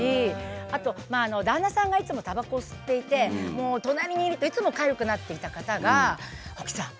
あと旦那さんがいつもたばこを吸っていて隣にいるといつもかゆくなっていた方が「沖さん